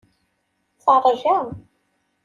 Teṛja.